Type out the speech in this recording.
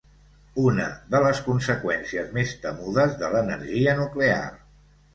Una de les conseqüències més temudes de l'energia nuclear.